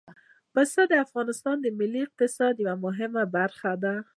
پسه د افغانستان د ملي اقتصاد یوه مهمه برخه ده.